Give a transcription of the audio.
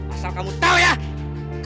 asal kamu tau ya kami mau culik anak itu